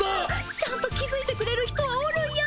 ちゃんと気づいてくれる人はおるんやねアニさん。